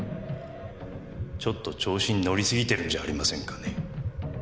ちょっと調子に乗りすぎてるんじゃありませんかね？